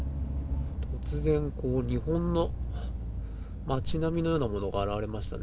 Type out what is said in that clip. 突然、日本の街並みのようなものが現れましたね。